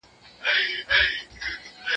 لکه د انسانانو په څېر